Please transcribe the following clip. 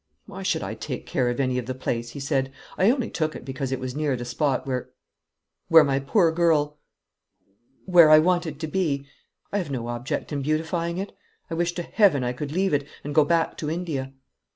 "Why should I take any care of the place?" he said. "I only took it because it was near the spot where where my poor girl where I wanted to be. I have no object in beautifying it. I wish to Heaven I could leave it, and go back to India."